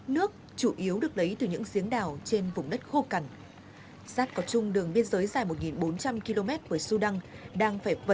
nếu chẳng may bị ngã xuống đường có thể bỏng cấp độ ba